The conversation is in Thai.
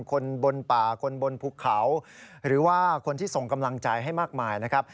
คนบนป่าคนบนภูเขาหรือว่าคนที่ส่งกำลังใจให้มากมายนะครับ